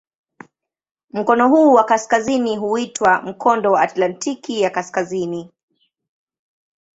Mkono huu wa kaskazini huitwa "Mkondo wa Atlantiki ya Kaskazini".